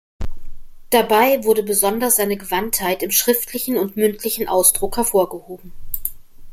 Dabei wurde besonders seine Gewandtheit im schriftlichen und mündlichen Ausdruck hervorgehoben.